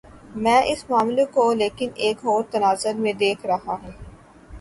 میں اس معاملے کو لیکن ایک اور تناظر میں دیکھ رہا ہوں۔